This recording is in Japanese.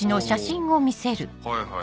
おはいはい。